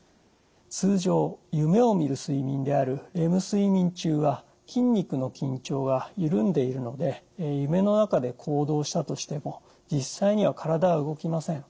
通常夢をみる睡眠であるレム睡眠中は筋肉の緊張がゆるんでいるので夢の中で行動したとしても実際には体は動きません。